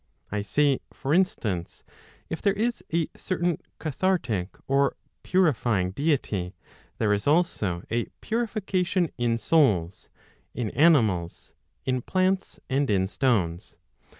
I say for instance, if there is a certain cathartic or purifying deity, there is also a purification in souls, in animals, in plants, and in stones.